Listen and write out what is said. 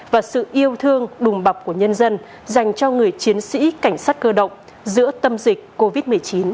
và sự yêu thương đùm bọc của nhân dân dành cho người chiến sĩ cảnh sát cơ động giữa tâm dịch covid một mươi chín